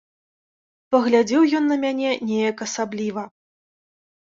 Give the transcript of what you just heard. Паглядзеў ён на мяне неяк асабліва.